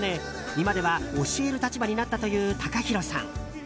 今では教える立場になったというＴＡＫＡＨＩＲＯさん。